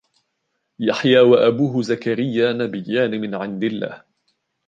يحيى وأبوه زكريا نبيان من عند الله.